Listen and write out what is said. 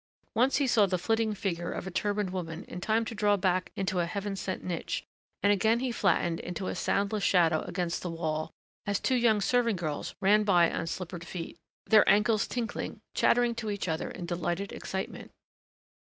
Once he saw the flitting figure of a turbaned woman in time to draw back into a heaven sent niche and again he flattened into a soundless shadow against the wall as two young serving girls ran by on slippered feet, their anklets tinkling, chattering to each other in delighted excitement.